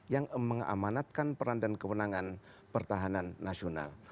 yang mengamanatkan peran dan kewenangan pertahanan nasional